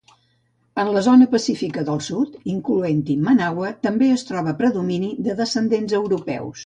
En la zona pacífica del Sud, incloent-hi Managua, també es troba predomini de descendents europeus.